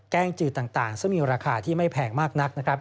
แก้งจืดต่างซึ่งมีราคาที่ไม่แพงมากนัก